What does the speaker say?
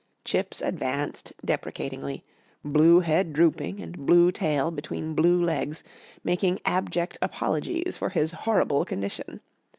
Chips advanced deprecatingly, blue head drooping, and blue tail between blue legs, making abject apologies for his horrible condition.